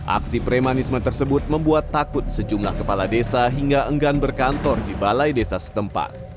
aksi premanisme tersebut membuat takut sejumlah kepala desa hingga enggan berkantor di balai desa setempat